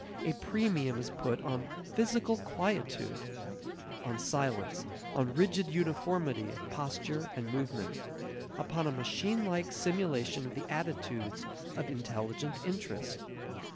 A premium is put on physical quietude; on silence, on rigid uniformity of posture and movement; upon a machine like simulation of the attitudes of intelligent interest.